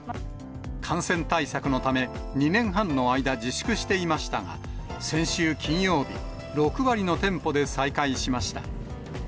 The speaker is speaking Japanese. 感染対策のため、２年半の間、自粛していましたが、先週金曜日、６割の店舗で再開しました。